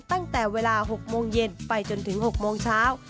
ตั้งแต่เวลา๖โมงเย็นไปจนถึง๖โมงเช้า